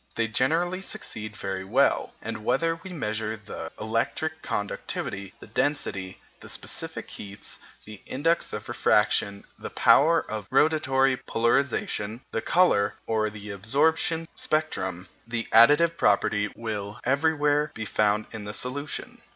They generally succeed very well; and whether we measure the electric conductivity, the density, the specific heats, the index of refraction, the power of rotatory polarization, the colour, or the absorption spectrum, the additive property will everywhere be found in the solution.